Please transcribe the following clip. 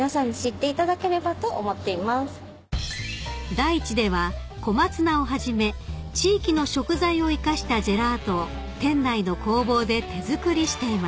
［ｄａｉｃｈｉではコマツナをはじめ地域の食材を生かしたジェラートを店内の工房で手作りしています］